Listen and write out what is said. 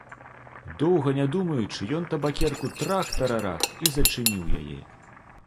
Доўга не думаючы, ён табакерку трах-тарарах і зачыніў яе.